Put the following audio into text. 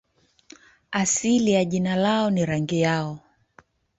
Asili ya jina lao ni rangi yao.